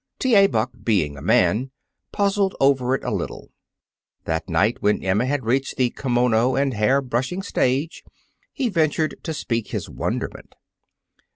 T. A. Buck, being a man, puzzled over it a little. That night, when Emma had reached the kimono and hair brushing stage, he ventured to speak his wonderment.